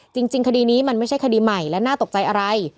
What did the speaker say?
จริงคดีนี้มันไม่ใช่คดีใหม่และน่าตกใจอะไร